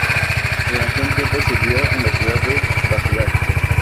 Durante un tiempo sirvió en la ciudad de Bagdad.